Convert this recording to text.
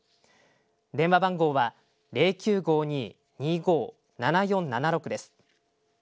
電話番号は０９５２−２５−７４７６です。